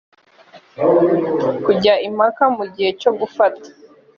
kujya impaka mu gihe cyo gufata